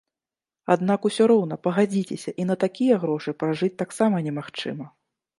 Аднак усё роўна, пагадзіцеся, і на такія грошы пражыць таксама немагчыма.